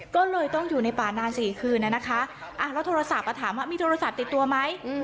ก็เลยต้องอยู่ในป่านาน๔คืนนะคะแล้วโทรศัพท์ถามว่ามีโทรศัพท์ติดตัวไหม